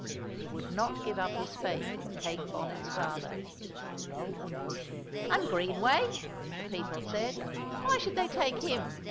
He would not give up his faith in Kate Bonnet's father. "And Greenway," the people said. "Why should they take him?